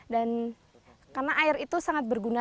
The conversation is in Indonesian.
dan karena air itu sangat berguna